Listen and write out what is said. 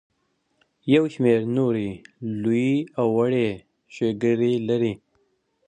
یو شمیر نورې لویې او وړې ښیګړې لري.